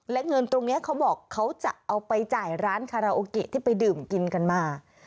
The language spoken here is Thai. และเงินตรงนี้เขาบอกเขาจะเอาไปจ่ายร้านคาราโอเกะที่ไปดื่มกินกันมา